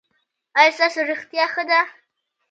ایا ستاسو روغتیا ښه ده؟